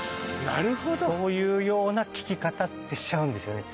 なるほどそういうような聴き方ってしちゃうんですよ